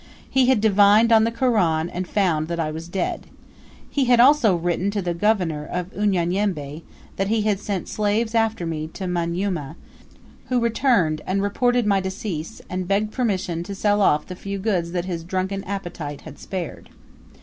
He had "divined" on the Koran and found that I was dead. He had also written to the Governor of Unyanyembe that he had sent slaves after me to Manyuema, who returned and reported my decease, and begged permission to sell off the few goods that his drunken appetite had spared.